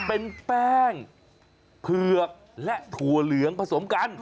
เป็นแป้งเผือกและถั่วเหลืองผสมกัน